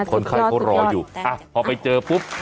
คนไข้เขารออยู่พอไปเจอปุ๊บ